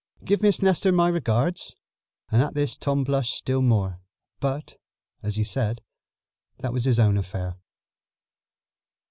"Give Miss Nestor my regards," and at this Tom blushed still more. But, as he said, that was his own affair.